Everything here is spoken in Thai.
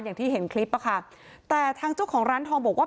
อย่างที่เห็นคลิปอะค่ะแต่ทางเจ้าของร้านทองบอกว่า